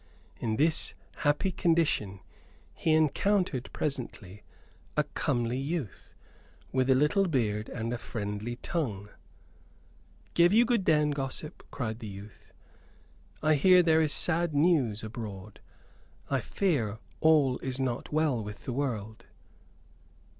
In this happy condition he encountered presently a comely youth, with a little beard and a friendly tongue. "Give you good den, gossip," cried the youth. "I hear there is sad news abroad. I fear all is not well with the world."